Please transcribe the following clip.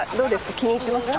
気に入ってますか？